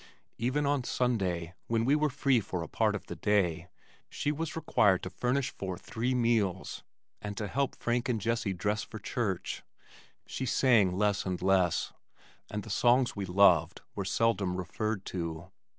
Even on Sunday, when we were free for a part of the day, she was required to furnish forth three meals, and to help Frank and Jessie dress for church. She sang less and less, and the songs we loved were seldom referred to.